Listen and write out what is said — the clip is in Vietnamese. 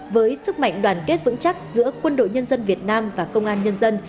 với sức mạnh đoàn kết vững chắc giữa quân đội nhân dân việt nam và công an nhân dân